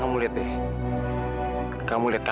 aku masih liat kamu sedih kok